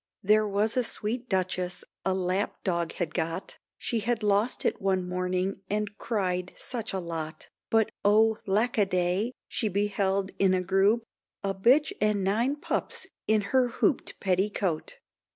There was a sweet duchess a lap dog had got, She had lost it one morning and cried such a lot, But oh, lack aday, she beheld in a group, A bitch and nine pups in her hooped petticoat.